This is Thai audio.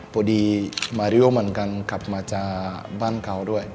พอดีมาริโอเหมือนกันขับมาจากบ้านเขาด้วย